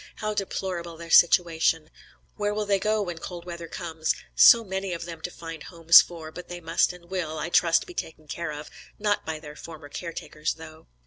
how deplorable their situation; where will they go to, when cold weather comes? so many of them to find homes for, but they must and will, I trust be taken care of, not by their former care takers though.